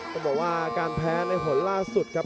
ต้องบอกว่าการแพ้ในผลล่าสุดครับ